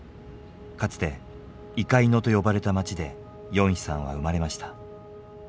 かつて猪飼野と呼ばれた町でヨンヒさんは生まれました。